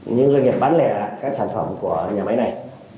những doanh nghiệp bán lẻ các sản phẩm của nhà máy này